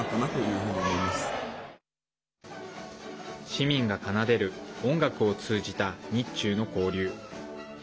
市民が奏でる音楽を通じた日中の交流。